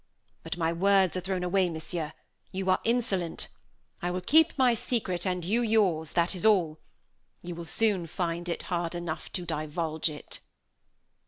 But my words are thrown away, Monsieur; you are insolent. I will keep my secret, and you, yours; that is all. You will soon find it hard enough to divulge it."